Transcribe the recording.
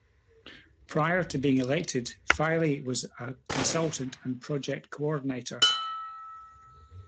Prior to being elected, Faille was a consultant and project coordinator.